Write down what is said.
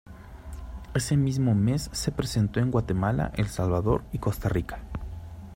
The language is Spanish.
Ese mismo mes se presentó en Guatemala, El Salvador y Costa Rica.